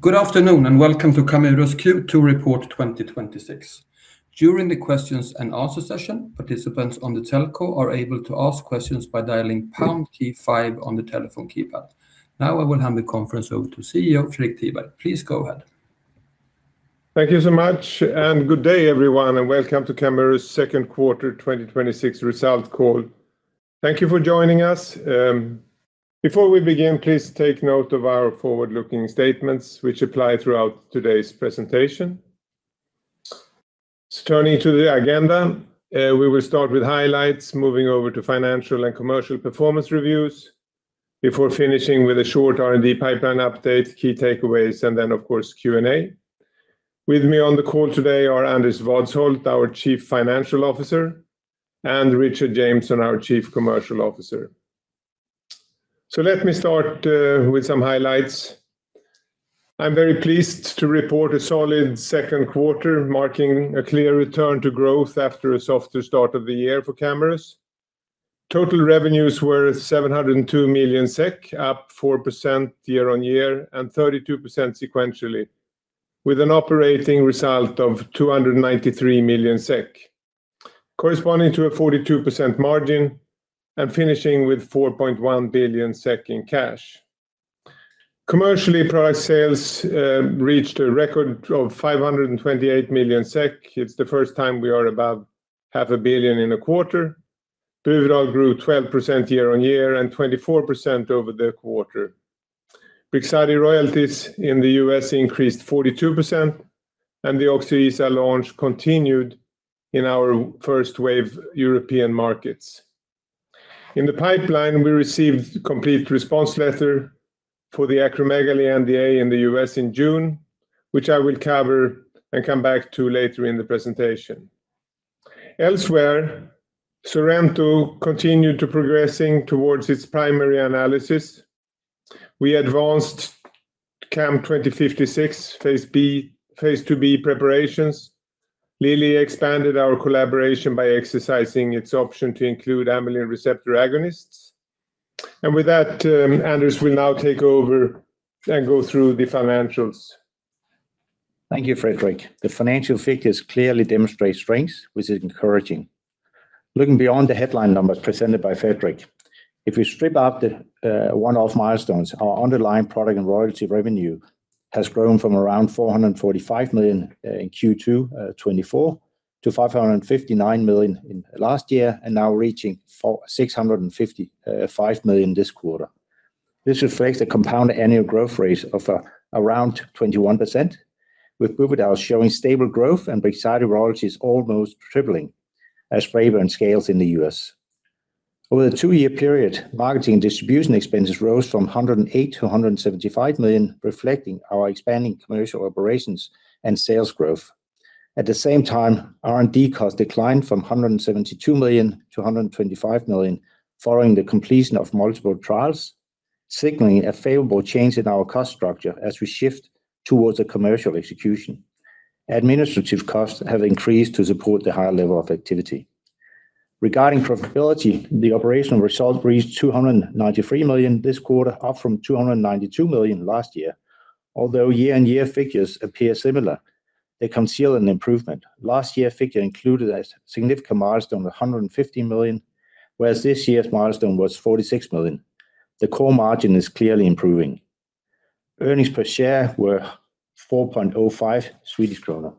Good afternoon, and welcome to Camurus Q2 Report 2026. During the questions and answer session, participants on the telco are able to ask questions by dialing pound key five on the telephone keypad. Now I will hand the conference over to CEO Fredrik Tiberg. Please go ahead. Thank you so much, and good day, everyone, and welcome to Camurus' second quarter 2026 results call. Thank you for joining us. Before we begin, please take note of our forward-looking statements which apply throughout today's presentation. Turning to the agenda, we will start with highlights, moving over to financial and commercial performance reviews, before finishing with a short R&D pipeline update, key takeaways, and then, of course, Q&A. With me on the call today are Anders Vadsholt, our Chief Financial Officer, and Richard Jameson, our Chief Commercial Officer. Let me start with some highlights. I am very pleased to report a solid second quarter, marking a clear return to growth after a softer start of the year for Camurus. Total revenues were 702 million SEK, up 4% year-on-year and 32% sequentially, with an operating result of 293 million SEK, corresponding to a 42% margin and finishing with 4.1 billion SEK in cash. Commercially, product sales reached a record of 528 million SEK. It is the first time we are about 0.5 billion in a quarter. Buvidal grew 12% year-on-year and 24% over the quarter. Brixadi royalties in the U.S. increased 42%, and the Oczyesa launch continued in our first-wave European markets. In the pipeline, we received Complete Response Letter for the acromegaly NDA in the U.S. in June, which I will cover and come back to later in the presentation. Elsewhere, SORENTO continued to progressing towards its primary analysis. We advanced CAM2056 phase II-B preparations. Lilly expanded our collaboration by exercising its option to include amylin receptor agonists. With that, Anders will now take over and go through the financials. Thank you, Fredrik. The financial figures clearly demonstrate strength, which is encouraging. Looking beyond the headline numbers presented by Fredrik, if we strip out the one-off milestones, our underlying product and royalty revenue has grown from around 445 million in Q2 2024 to 559 million last year, and now reaching 655 million this quarter. This reflects a compound annual growth rate of around 21%, with Buvidal showing stable growth and Brixadi royalties almost tripling as favor and scales in the U.S. Over the two-year period, marketing and distribution expenses rose from 108 million to 175 million, reflecting our expanding commercial operations and sales growth. At the same time, R&D costs declined from 172 million to 125 million following the completion of multiple trials, signaling a favorable change in our cost structure as we shift towards a commercial execution. Administrative costs have increased to support the higher level of activity. Regarding profitability, the operational results reached 293 million this quarter, up from 292 million last year. Although year-on-year figures appear similar, they conceal an improvement. Last year figure included a significant milestone of 150 million, whereas this year's milestone was 46 million. The core margin is clearly improving. Earnings per share were 4.05 Swedish krona.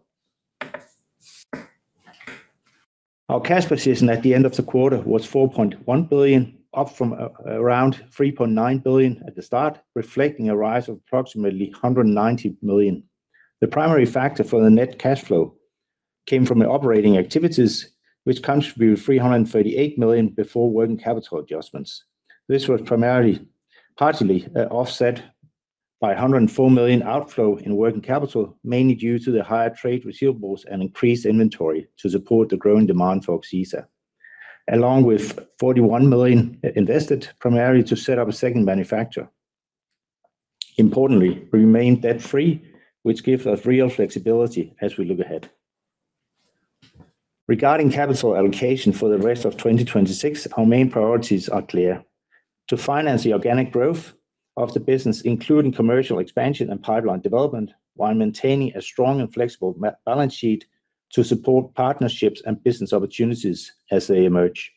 Our cash position at the end of the quarter was 4.1 billion, up from around 3.9 billion at the start, reflecting a rise of approximately 190 million. The primary factor for the net cash flow came from the operating activities, which contributed 338 million before working capital adjustments. This was partly offset by 104 million outflow in working capital, mainly due to the higher trade receivables and increased inventory to support the growing demand for Oczyesa, along with 41 million invested primarily to set up a second manufacturer. Importantly, we remain debt-free, which gives us real flexibility as we look ahead. Regarding capital allocation for the rest of 2026, our main priorities are clear: to finance the organic growth of the business, including commercial expansion and pipeline development, while maintaining a strong and flexible balance sheet to support partnerships and business opportunities as they emerge.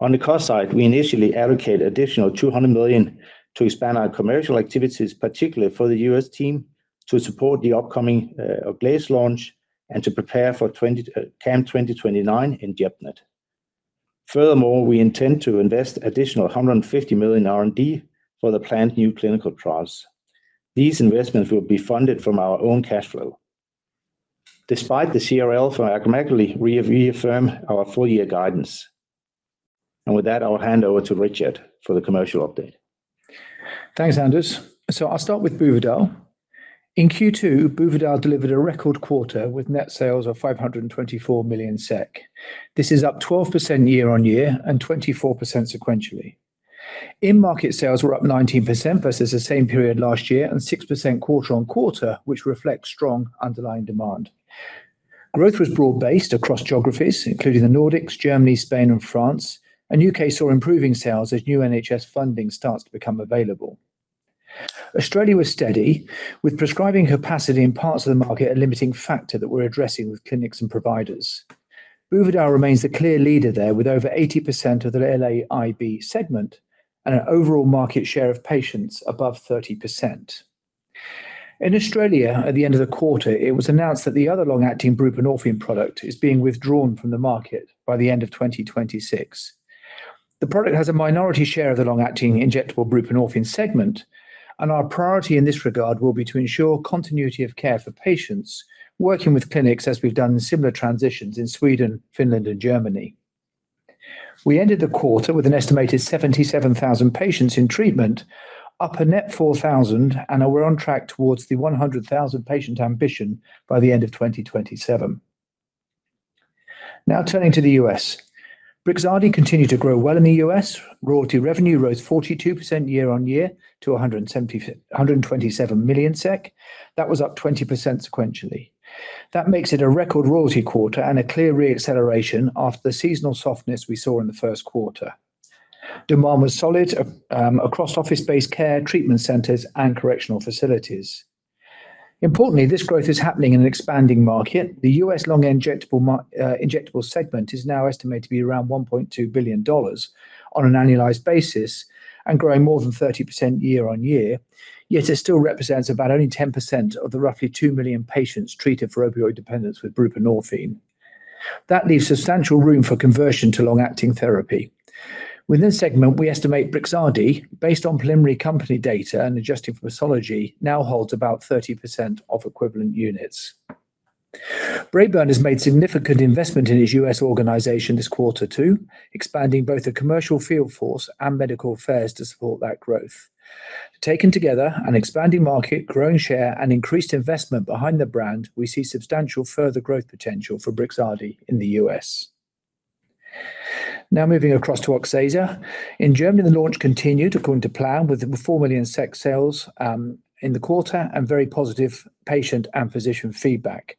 On the cost side, we initially allocate additional 200 million to expand our commercial activities, particularly for the U.S. team, to support the upcoming Oclaiz launch and to prepare for CAM2029 in GEP-NET. Furthermore, we intend to invest additional 150 million in R&D for the planned new clinical trials. These investments will be funded from our own cash flow. Despite the CRL for acromegaly, we affirm our full-year guidance. With that, I'll hand over to Richard for the commercial update. Thanks, Anders. I'll start with Buvidal. In Q2, Buvidal delivered a record quarter with net sales of 524 million SEK. This is up 12% year-on-year and 24% sequentially. In-market sales were up 19% versus the same period last year and 6% quarter-on-quarter, which reflects strong underlying demand. Growth was broad-based across geographies, including the Nordics, Germany, Spain, and France. The U.K. saw improving sales as new NHS funding starts to become available. Australia was steady, with prescribing capacity in parts of the market a limiting factor that we're addressing with clinics and providers. Buvidal remains the clear leader there with over 80% of the LAIB segment and an overall market share of patients above 30%. In Australia, at the end of the quarter, it was announced that the other long-acting buprenorphine product is being withdrawn from the market by the end of 2026. The product has a minority share of the long-acting injectable buprenorphine segment, and our priority in this regard will be to ensure continuity of care for patients working with clinics as we've done similar transitions in Sweden, Finland, and Germany. We ended the quarter with an estimated 77,000 patients in treatment, up a net 4,000, and are on track towards the 100,000 patient ambition by the end of 2027. Turning to the U.S. Brixadi continued to grow well in the U.S. Royalty revenue rose 42% year-on-year to 127 million SEK. That was up 20% sequentially. That makes it a record royalty quarter and a clear re-acceleration after the seasonal softness we saw in the first quarter. Demand was solid across office-based care, treatment centers, and correctional facilities. Importantly, this growth is happening in an expanding market. The U.S. long injectable segment is now estimated to be around $1.2 billion on an annualized basis and growing more than 30% year-on-year. Yet it still represents about only 10% of the roughly 2 million patients treated for opioid dependence with buprenorphine. That leaves substantial room for conversion to long-acting therapy. Within this segment, we estimate Brixadi, based on preliminary company data and adjusted for methodology, now holds about 30% of equivalent units. Braeburn has made significant investment in its U.S. organization this quarter too, expanding both the commercial field force and medical affairs to support that growth. Taken together, an expanding market, growing share, and increased investment behind the brand, we see substantial further growth potential for Brixadi in the U.S. Moving across to Oczyesa. In Germany, the launch continued according to plan with over 4 million sales in the quarter and very positive patient and physician feedback.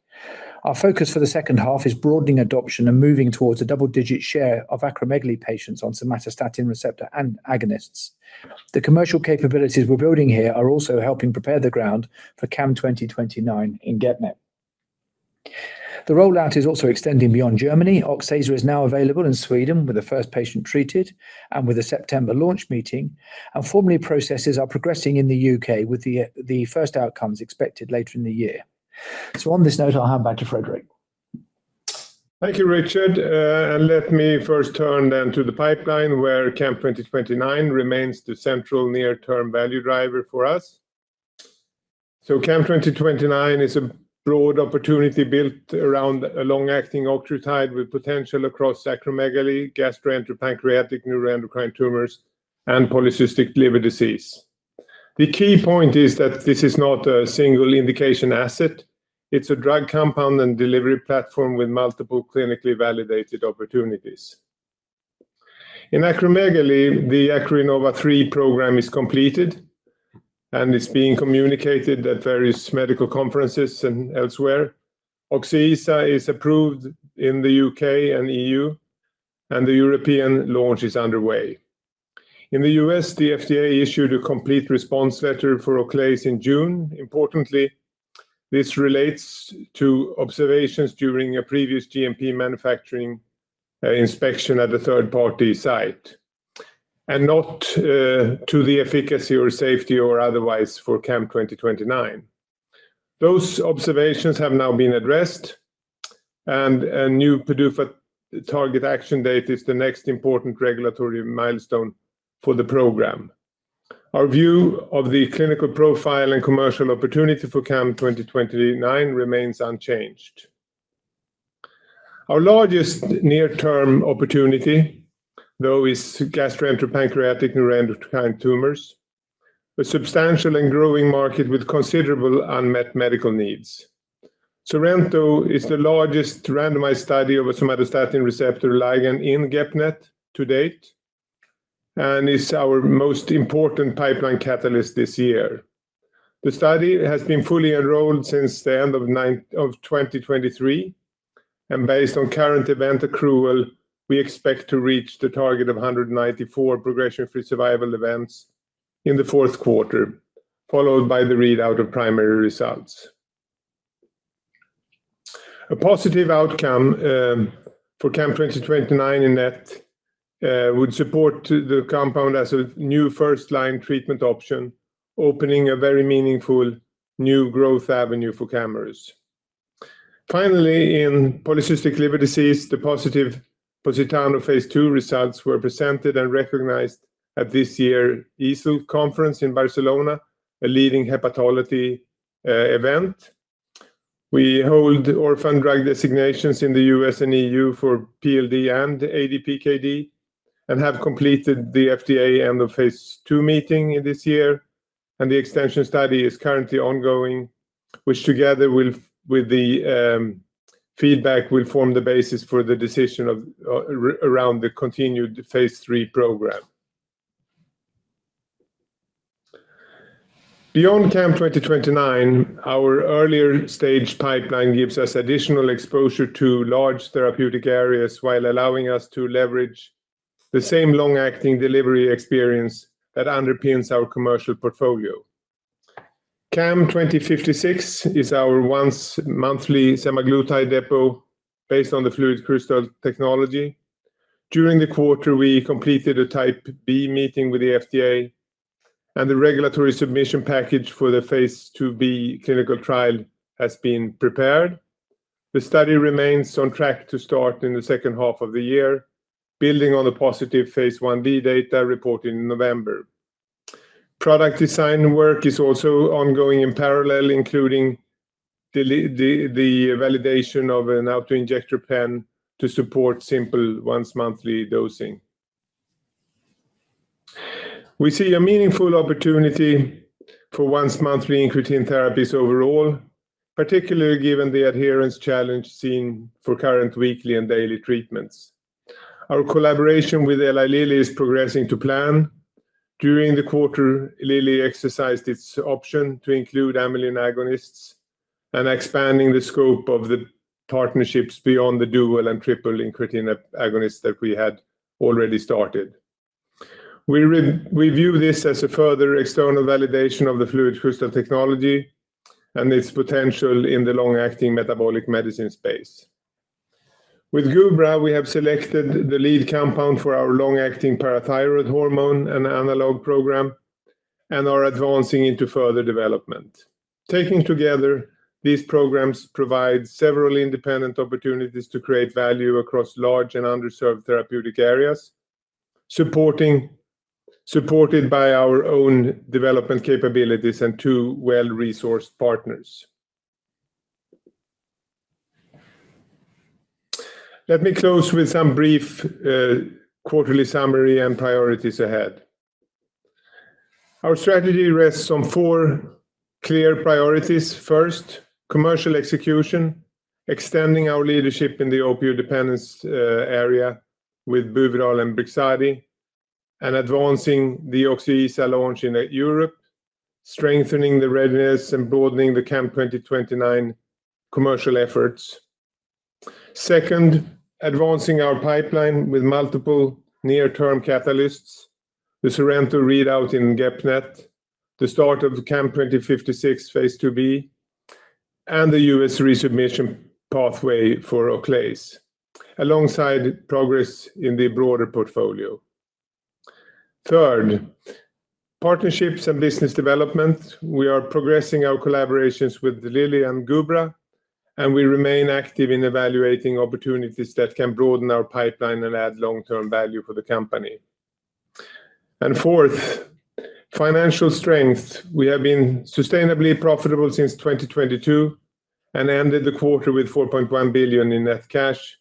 Our focus for the second half is broadening adoption and moving towards a double-digit share of acromegaly patients on somatostatin receptor and agonists. The commercial capabilities we're building here are also helping prepare the ground for CAM2029 in GEP-NET. The rollout is also extending beyond Germany. Oczyesa is now available in Sweden with the first patient treated and with a September launch meeting, and formulary processes are progressing in the U.K. with the first outcomes expected later in the year. On this note, I'll hand back to Fredrik. Thank you, Richard. Let me first turn to the pipeline where CAM2029 remains the central near-term value driver for us. CAM2029 is a broad opportunity built around a long-acting octreotide with potential across acromegaly, gastroenteropancreatic neuroendocrine tumors, and polycystic liver disease. The key point is that this is not a single indication asset. It's a drug compound and delivery platform with multiple clinically validated opportunities. In acromegaly, the ACROINNOVA 3 program is completed and is being communicated at various medical conferences and elsewhere. Oczyesa is approved in the U.K. and E.U., and the European launch is underway. In the U.S., the FDA issued a Complete Response Letter for Oclaiz in June. Importantly, this relates to observations during a previous GMP manufacturing inspection at a third-party site and not to the efficacy or safety or otherwise for CAM2029. Those observations have now been addressed, a new PDUFA target action date is the next important regulatory milestone for the program. Our view of the clinical profile and commercial opportunity for CAM2029 remains unchanged. Our largest near-term opportunity, though, is gastroenteropancreatic neuroendocrine tumors, a substantial and growing market with considerable unmet medical needs. SORENTO is the largest randomized study of a somatostatin receptor ligand in GEP-NET to date and is our most important pipeline catalyst this year. The study has been fully enrolled since the end of 2023, based on current event accrual, we expect to reach the target of 194 progression-free survival events in the fourth quarter, followed by the readout of primary results. A positive outcome for CAM2029 in that would support the compound as a new first-line treatment option, opening a very meaningful new growth avenue for Camurus. Finally, in polycystic liver disease, the positive POSITANO phase II results were presented and recognized at this year's EASL conference in Barcelona, a leading hepatology event. We hold orphan drug designations in the U.S. and E.U. for PLD and ADPKD and have completed the FDA end-of-phase II meeting this year, the extension study is currently ongoing, which together with the feedback, will form the basis for the decision around the continued phase III program. Beyond CAM2029, our earlier-stage pipeline gives us additional exposure to large therapeutic areas while allowing us to leverage the same long-acting delivery experience that underpins our commercial portfolio. CAM2056 is our once-monthly semaglutide depot based on the FluidCrystal technology. During the quarter, we completed a type B meeting with the FDA, the regulatory submission package for the phase II-B clinical trial has been prepared. The study remains on track to start in the second half of the year, building on the positive phase I-B data report in November. Product design work is also ongoing in parallel, including the validation of an auto-injector pen to support simple once-monthly dosing. We see a meaningful opportunity for once-monthly incretin therapies overall, particularly given the adherence challenge seen for current weekly and daily treatments. Our collaboration with Eli Lilly is progressing to plan. During the quarter, Lilly exercised its option to include amylin agonists and expanding the scope of the partnerships beyond the dual and triple incretin agonists that we had already started. We view this as a further external validation of the FluidCrystal technology and its potential in the long-acting metabolic medicine space. With Gubra, we have selected the lead compound for our long-acting parathyroid hormone and analog program and are advancing into further development. Taken together, these programs provide several independent opportunities to create value across large and underserved therapeutic areas, supported by our own development capabilities and two well-resourced partners. Let me close with some brief quarterly summary and priorities ahead. Our strategy rests on four clear priorities. First, commercial execution, extending our leadership in the opioid dependence area with Buvidal and Brixadi, and advancing the Oczyesa launch in Europe, strengthening the readiness and broadening the CAM2029 commercial efforts. Second, advancing our pipeline with multiple near-term catalysts. The SORENTO readout in GEP-NET, the start of CAM2056 phase II-B, and the U.S. resubmission pathway for Oclaiz, alongside progress in the broader portfolio. Third, partnerships and business development. We are progressing our collaborations with Lilly and Gubra, and we remain active in evaluating opportunities that can broaden our pipeline and add long-term value for the company. Fourth, financial strength. We have been sustainably profitable since 2022 and ended the quarter with 4.1 billion in net cash,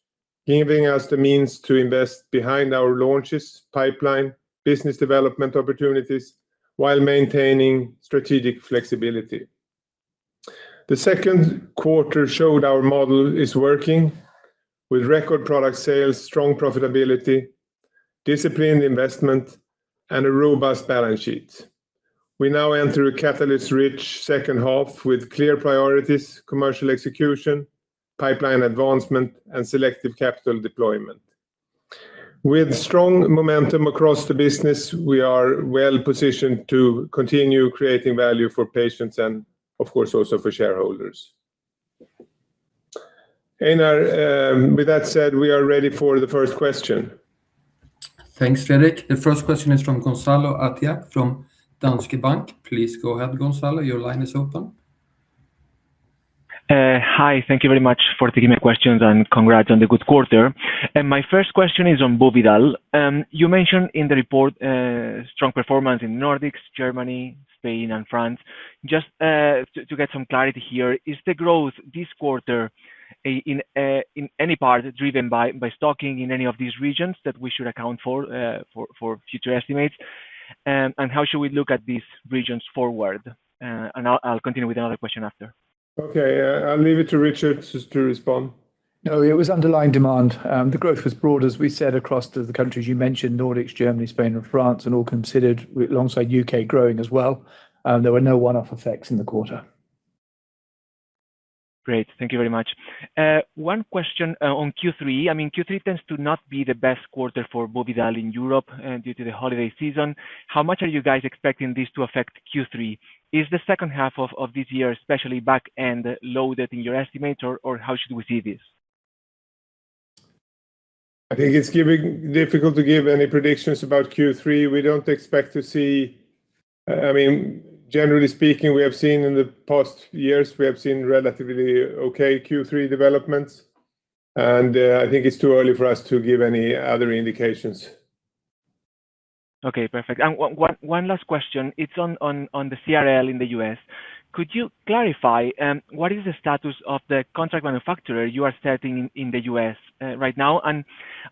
giving us the means to invest behind our launches, pipeline, business development opportunities, while maintaining strategic flexibility. The second quarter showed our model is working with record product sales, strong profitability, disciplined investment, and a robust balance sheet. We now enter a catalyst-rich second half with clear priorities, commercial execution, pipeline advancement, and selective capital deployment. With strong momentum across the business, we are well-positioned to continue creating value for patients and, of course, also for shareholders. Einar, with that said, we are ready for the first question. Thanks, Fredrik. The first question is from Gonzalo Artiach from Danske Bank. Please go ahead, Gonzalo. Your line is open. Hi. Thank you very much for taking my questions, and congrats on the good quarter. My first question is on Buvidal. You mentioned in the report strong performance in Nordics, Germany, Spain, and France. Just to get some clarity here, is the growth this quarter in any part driven by stocking in any of these regions that we should account for future estimates, and how should we look at these regions forward? I'll continue with another question after. Okay. I'll leave it to Richard just to respond. No, it was underlying demand. The growth was broad, as we said, across the countries you mentioned, Nordics, Germany, Spain, and France, and all considered alongside U.K. growing as well. There were no one-off effects in the quarter. Great. Thank you very much. One question on Q3. Q3 tends to not be the best quarter for Buvidal in Europe due to the holiday season. How much are you guys expecting this to affect Q3? Is the second half of this year, especially back end, loaded in your estimate, or how should we see this? I think it's difficult to give any predictions about Q3. Generally speaking, we have seen in the past years, we have seen relatively okay Q3 developments. I think it's too early for us to give any other indications. Okay, perfect. One last question. It's on the CRL in the U.S. Could you clarify what is the status of the contract manufacturer you are setting in the U.S. right now?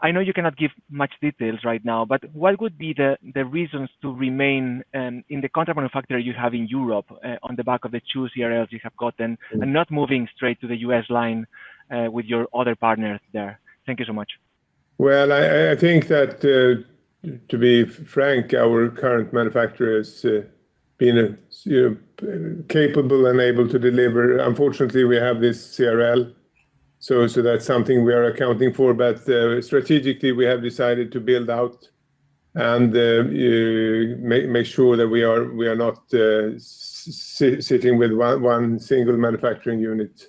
I know you cannot give much details right now, but what would be the reasons to remain in the contract manufacturer you have in Europe on the back of the two CRLs you have gotten and not moving straight to the U.S. line with your other partners there? Thank you so much. Well, I think that, to be frank, our current manufacturer has been capable and able to deliver. Unfortunately, we have this CRL, that's something we are accounting for, but strategically we have decided to build out and make sure that we are not sitting with one single manufacturing unit.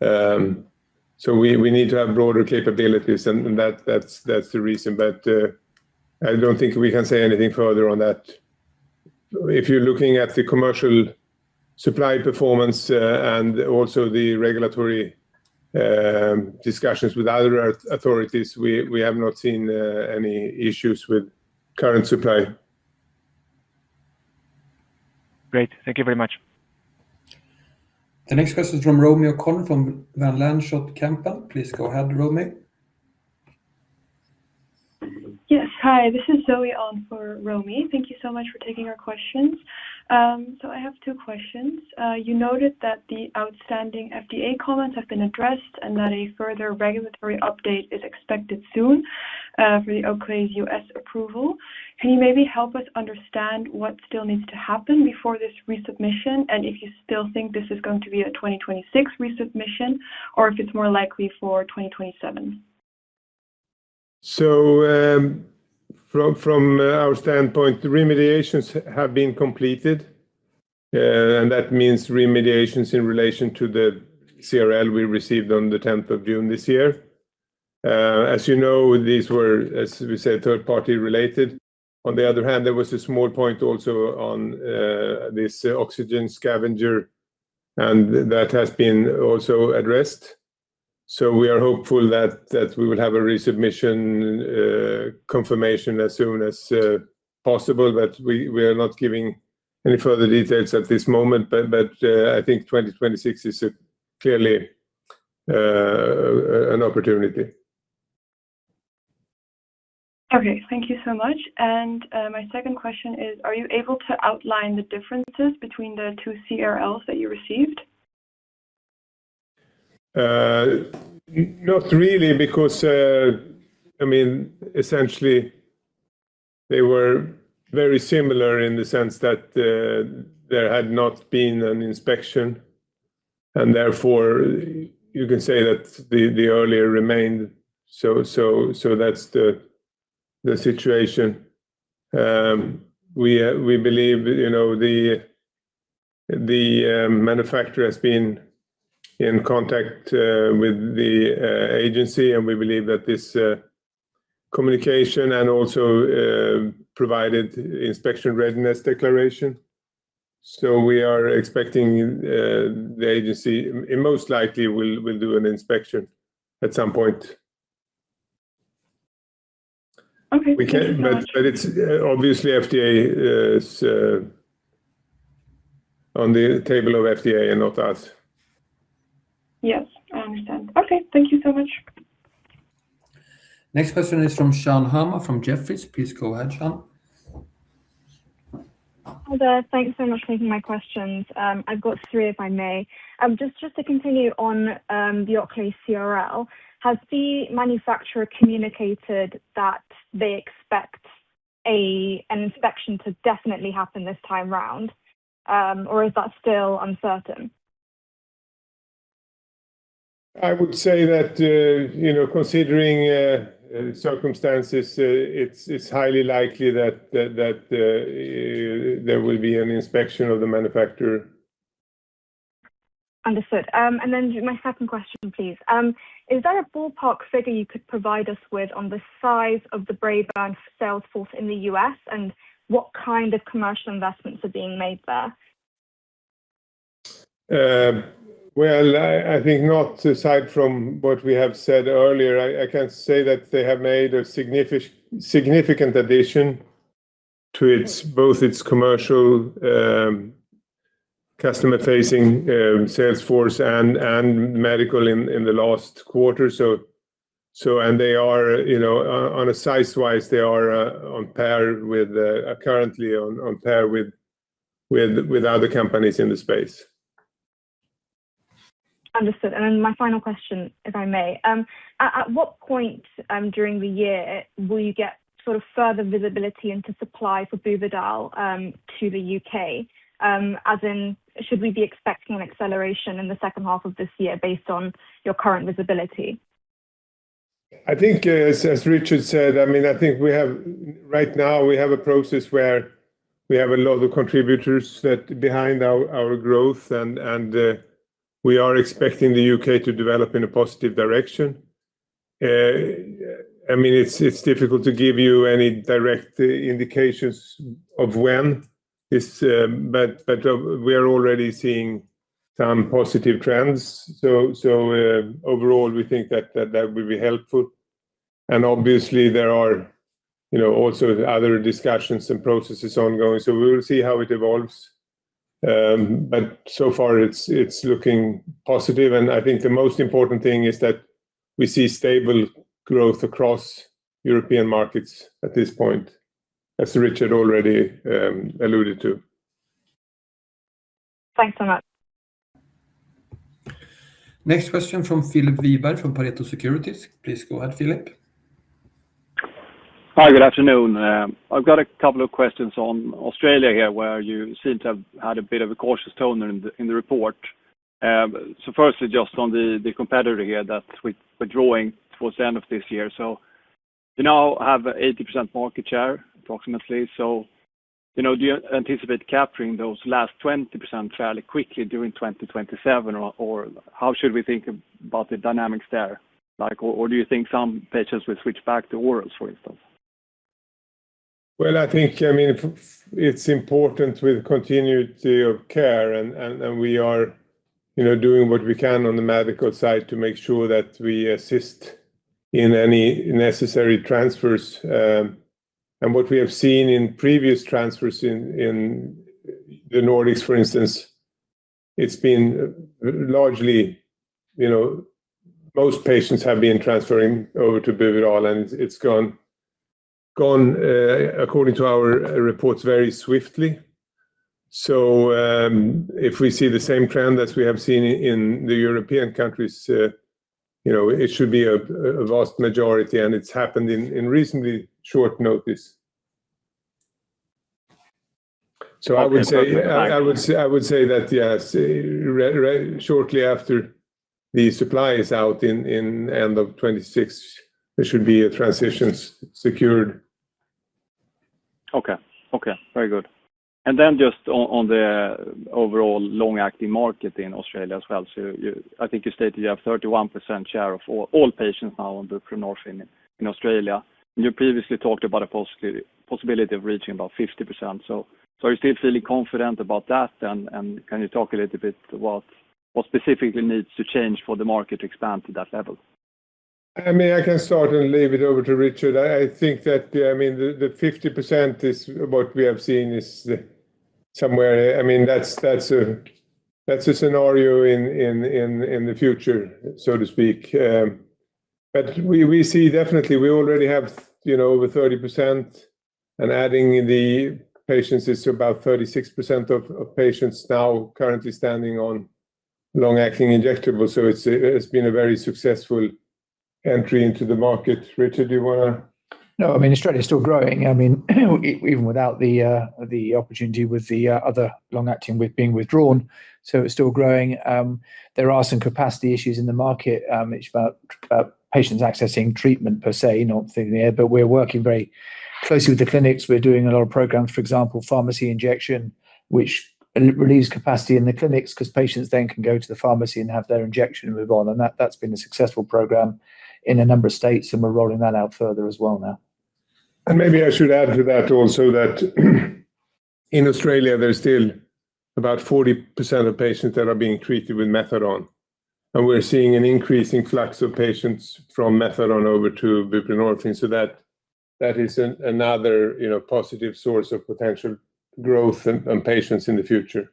We need to have broader capabilities, that's the reason. I don't think we can say anything further on that. If you're looking at the commercial supply performance and also the regulatory discussions with other authorities, we have not seen any issues with current supply. Great. Thank you very much. The next question is from Romy O'Connor from Van Lanschot Kempen. Please go ahead, Romy. Yes. Hi, this is Zoe on for Romy. Thank you so much for taking our questions. I have two questions. You noted that the outstanding FDA comments have been addressed and that a further regulatory update is expected soon for the Oclaiz's U.S. approval. Can you maybe help us understand what still needs to happen before this resubmission, and if you still think this is going to be a 2026 resubmission, or if it's more likely for 2027? From our standpoint, the remediations have been completed, and that means remediations in relation to the CRL we received on the 10th of June this year. As you know, these were, as we said, third-party related. On the other hand, there was a small point also on this oxygen scavenger, that has been also addressed. We are hopeful that we will have a resubmission confirmation as soon as possible, we are not giving any further details at this moment. I think 2026 is clearly an opportunity. Okay. Thank you so much. My second question is: Are you able to outline the differences between the two CRLs that you received? Not really, because essentially they were very similar in the sense that there had not been an inspection, and therefore you can say that the earlier remained. That's the situation. We believe the manufacturer has been in contact with the agency, we believe that this communication and also provided inspection readiness declaration. We are expecting the agency most likely will do an inspection at some point. Okay. Thank you so much. It's obviously on the table of FDA and not us. Yes, I understand. Okay. Thank you so much. Next question is from Shan Hama from Jefferies. Please go ahead, Shan. Hi there. Thanks so much for taking my questions. I've got three, if I may. Just to continue on the Oclaiz CRL, has the manufacturer communicated that they expect an inspection to definitely happen this time around? Is that still uncertain? I would say that considering circumstances, it's highly likely that there will be an inspection of the manufacturer. Understood. Then my second question, please. Is there a ballpark figure you could provide us with on the size of the Braeburn sales force in the U.S., and what kind of commercial investments are being made there? Well, I think not, aside from what we have said earlier. I can say that they have made a significant addition to both its commercial customer-facing sales force and medical in the last quarter. Size-wise, they are currently on par with other companies in the space. Understood. My final question, if I may. At what point during the year will you get further visibility into supply for Buvidal to the U.K.? As in, should we be expecting an acceleration in the second half of this year based on your current visibility? I think as Richard said, right now we have a process where we have a lot of contributors behind our growth, and we are expecting the U.K. to develop in a positive direction. It's difficult to give you any direct indications of when, but we are already seeing some positive trends. Overall, we think that that will be helpful. Obviously there are also other discussions and processes ongoing, so we will see how it evolves. So far it's looking positive, and I think the most important thing is that we see stable growth across European markets at this point, as Richard already alluded to. Thanks so much. Next question from Filip Wiberg, from Pareto Securities. Please go ahead, Filip. Hi, good afternoon. I've got a couple of questions on Australia here, where you seem to have had a bit of a cautious tone in the report. Firstly, just on the competitor here that we're withdrawing towards the end of this year. You now have an 80% market share, approximately. Do you anticipate capturing those last 20% fairly quickly during 2027? How should we think about the dynamics there? Do you think some patients will switch back to oral, for instance? I think it's important with continuity of care, we are doing what we can on the medical side to make sure that we assist in any necessary transfers. What we have seen in previous transfers in the Nordics, for instance, it's been largely most patients have been transferring over to Buvidal, and it's gone, according to our reports, very swiftly. If we see the same trend as we have seen in the European countries, it should be a vast majority, and it's happened in recently short notice. I would say that, yes, shortly after the supply is out in end of 2026, there should be transitions secured. Okay. Very good. Then just on the overall long-acting market in Australia as well. I think you stated you have 31% share of all patients now on buprenorphine in Australia. You previously talked about a possibility of reaching about 50%. Are you still feeling confident about that? Can you talk a little what specifically needs to change for the market to expand to that level? I can start and leave it over to Richard. I think that the 50% is what we have seen is somewhere. That's a scenario in the future, so to speak. We see definitely, we already have over 30%, and adding in the patients is to about 36% of patients now currently standing on long-acting injectable. It's been a very successful entry into the market. Richard, you want to? No, Australia is still growing, even without the opportunity with the other long-acting being withdrawn. It's still growing. There are some capacity issues in the market. It's about patients accessing treatment per se, not there, but we're working very closely with the clinics. We're doing a lot of programs, for example, pharmacy injection, which relieves capacity in the clinics because patients then can go to the pharmacy and have their injection and move on. That's been a successful program in a number of states, we're rolling that out further as well now. Maybe I should add to that also that in Australia, there's still about 40% of patients that are being treated with methadone. We're seeing an increasing flux of patients from methadone over to buprenorphine. That is another positive source of potential growth and patients in the future.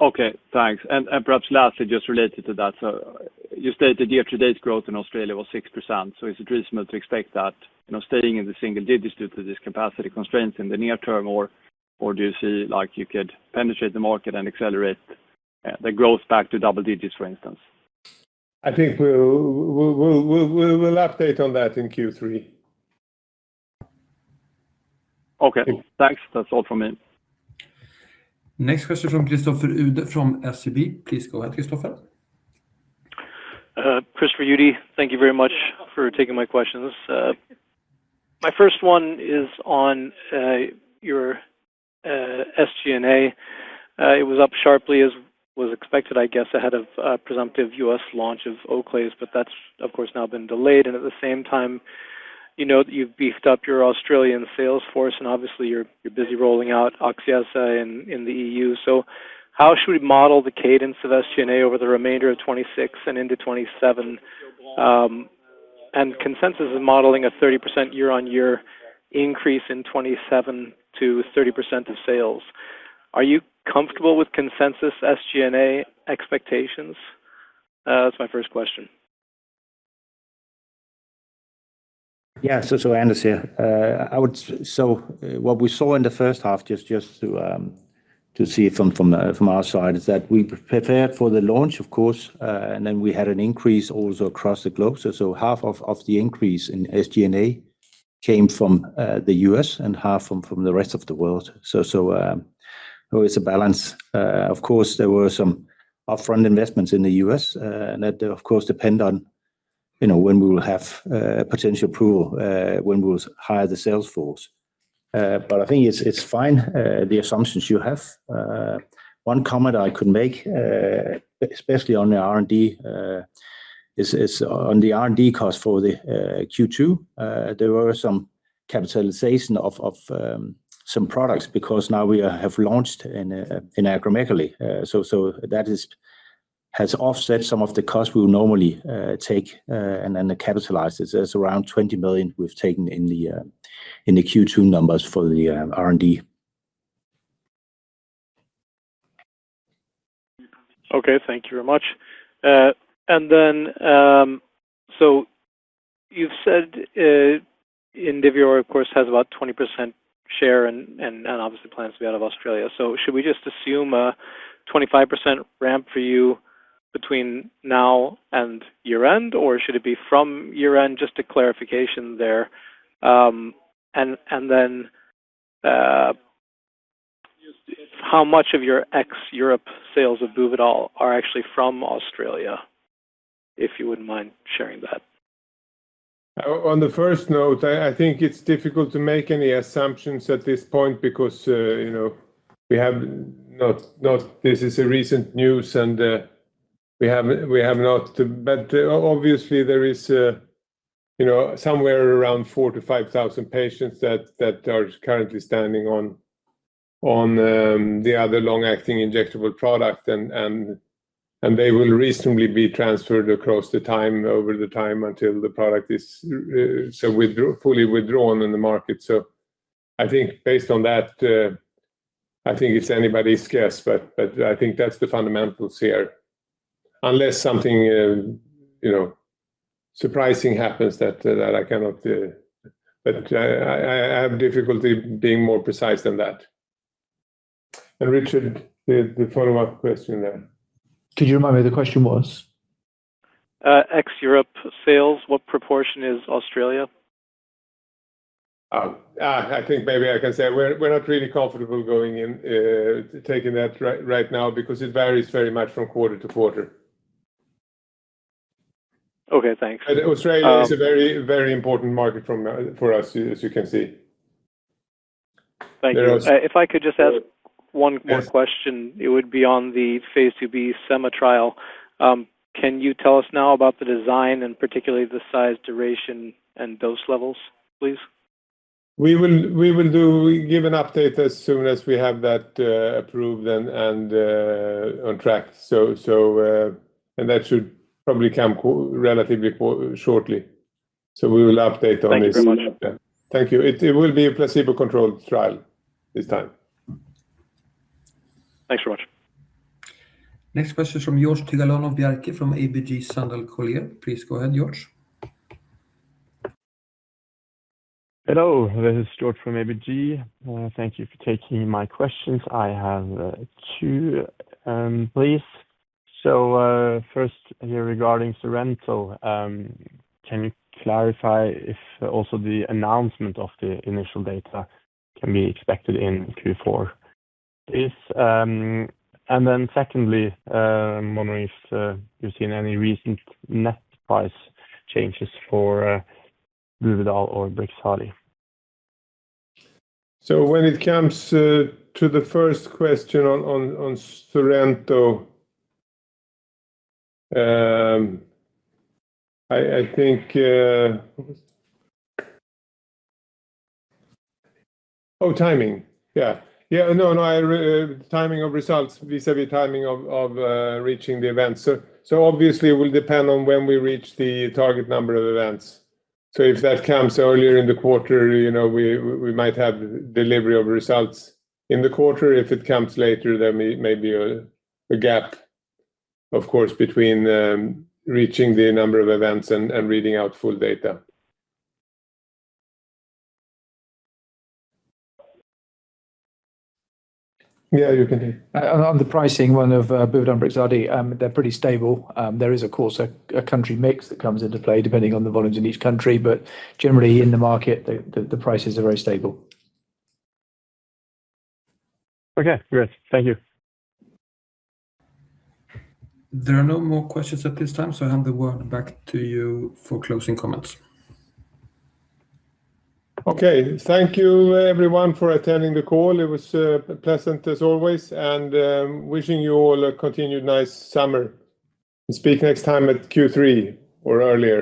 Okay, thanks. Perhaps lastly, just related to that. You stated year-to-date growth in Australia was 6%. Is it reasonable to expect that staying in the single digits due to this capacity constraints in the near term, or do you see you could penetrate the market and accelerate the growth back to double digits, for instance? I think we'll update on that in Q3. Okay, thanks. That's all from me. Next question from Christopher Uhde from SEB. Please go ahead, Christopher. Christopher Uhde. Thank you very much for taking my questions. My first one is on your SG&A. It was up sharply, as was expected, I guess, ahead of presumptive U.S. launch of Oclaiz, but that's of course now been delayed. At the same time, you've beefed up your Australian sales force, and obviously you're busy rolling out Oczyesa in the E.U. How should we model the cadence of SG&A over the remainder of 2026 and into 2027? Consensus is modeling a 30% year-on-year increase in 2027 to 30% of sales. Are you comfortable with consensus SG&A expectations? That's my first question. Yeah. Anders here. What we saw in the first half, just to see from our side is that we prepared for the launch, of course, we had an increase also across the globe. Half of the increase in SG&A came from the U.S. and half from the rest of the world. It's a balance. Of course, there were some upfront investments in the U.S., and that of course depend on when we will have potential approval, when we will hire the sales force. I think it's fine, the assumptions you have. One comment I could make, especially on the R&D, is on the R&D cost for the Q2, there were some capitalization of some products because now we have launched in acromegaly. That has offset some of the cost we would normally take and then capitalize it. It's around 20 million we've taken in the Q2 numbers for the R&D. Okay. Thank you very much. You've said Indivior, of course, has about 20% share and obviously plans to be out of Australia. Should we just assume a 25% ramp for you between now and year-end, or should it be from year-end? Just a clarification there. How much of your ex-Europe sales of Buvidal are actually from Australia, if you wouldn't mind sharing that? On the first note, I think it's difficult to make any assumptions at this point because this is a recent news and we have not. Obviously there is somewhere around 4,000 to 5,000 patients that are currently standing on the other long-acting injectable product, and they will reasonably be transferred across the time, over the time until the product is fully withdrawn in the market. I think based on that, I think it's anybody's guess, but I think that's the fundamentals here. Unless something surprising happens. I have difficulty being more precise than that. Richard, the follow-up question there. Could you remind me what the question was? Ex-Europe sales, what proportion is Australia? I think maybe I can say we're not really comfortable taking that right now because it varies very much from quarter to quarter. Okay, thanks. Australia is a very important market for us, as you can see. Thank you. If I could just ask one more question, it would be on the phase II-B CAM trial. Can you tell us now about the design and particularly the size, duration, and dose levels, please? We will give an update as soon as we have that approved and on track. That should probably come relatively shortly. We will update on this. Thank you very much. Thank you. It will be a placebo-controlled trial this time. Thanks very much. Next question is from Georg Tigalonov-Bjerke of ABG Sundal Collier. Please go ahead, Georg. Hello, this is Georg from ABG. Thank you for taking my questions. I have two, please. First, regarding SORENTO, can you clarify if also the announcement of the initial data can be expected in Q4? Secondly, if you've seen any recent net price changes for Buvidal or Brixadi. When it comes to the first question on SORENTO, timing of results vis-à-vis timing of reaching the events. Obviously, it will depend on when we reach the target number of events. If that comes earlier in the quarter, we might have delivery of results in the quarter. If it comes later, there may be a gap, of course, between reaching the number of events and reading out full data. Yeah, you continue. On the pricing one of Buvidal and Brixadi, they're pretty stable. There is, of course, a country mix that comes into play depending on the volumes in each country. Generally, in the market, the prices are very stable. Okay, great. Thank you. There are no more questions at this time. I hand the word back to you for closing comments. Okay. Thank you everyone for attending the call. It was pleasant as always. Wishing you all a continued nice summer. Speak next time at Q3 or earlier.